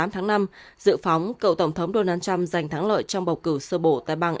tám tháng năm dự phóng cựu tổng thống donald trump giành thắng lợi trong bầu cử sơ bộ tại bang